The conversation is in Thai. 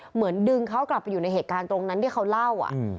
เหมือนดึงเขากลับไปอยู่ในเหตุการณ์ตรงนั้นที่เขาเล่า